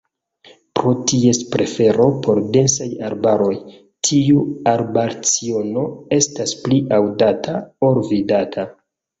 Pro ties prefero por densaj arbaroj, tiu arbalciono estas pli aŭdata ol vidata.